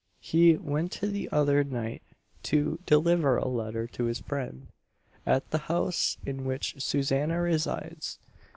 He went the other night, to deliver a letter to this friend, at the house in which Susanna resides.